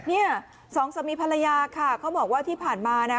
เนี่ยสองสามีภรรยาค่ะเขาบอกว่าที่ผ่านมานะ